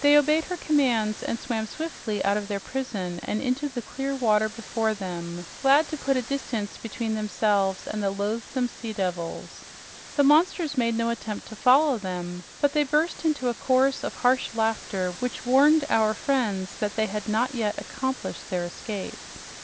They obeyed her commands and swam swiftly out of their prison and into the clear water before them, glad to put a distance between themselves and the loathesome sea devils. The monsters made no attempt to follow them, but they burst into a chorus of harsh laughter which warned our friends that they had not yet accomplished their escape.